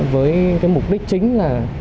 với mục đích chính là